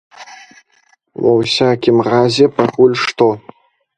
Ва ўсякім разе пакуль што.